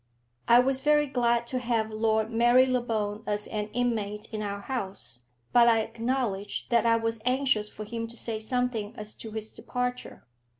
I was very glad to have Lord Marylebone as an inmate in our house, but I acknowledge that I was anxious for him to say something as to his departure.